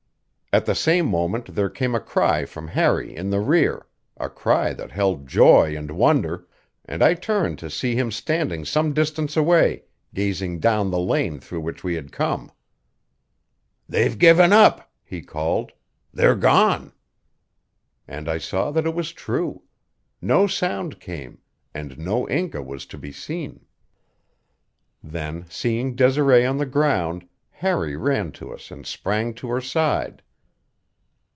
At the same moment there came a cry from Harry in the rear a cry that held joy and wonder and I turned to see him standing some distance away, gazing down the lane through which we had come. "They've given up!" he called. "They're gone!" And I saw that it was true. No sound came, and no Inca was to be seen. Then, seeing Desiree on the ground, Harry ran to us and sprang to her side.